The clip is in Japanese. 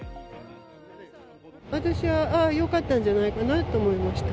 私は、ああ、よかったんじゃないかなと思いました。